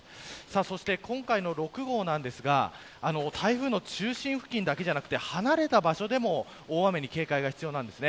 そして、今回の６号ですが台風の中心付近だけでなく離れた場所でも大雨に警戒が必要です。